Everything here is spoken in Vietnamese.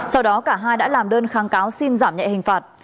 sau đó cả hai đã làm đơn kháng cáo xin giảm nhẹ hình phạt